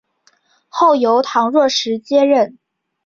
后由唐若时接任。